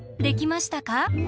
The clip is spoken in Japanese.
できましたか？